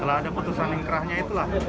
kalau ada putusan ingkrahnya itulah